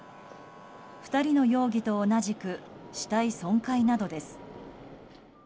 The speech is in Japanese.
２人の容疑と同じく死体損壊などです。